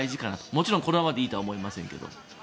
もちろんこのままでいいとは思いませんけど。